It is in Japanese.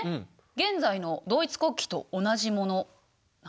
現在のドイツ国旗と同じものなんだけど。